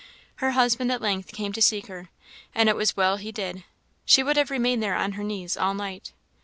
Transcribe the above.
Her husband at length came to seek her, and it was well he did; she would have remained there on her knees all night.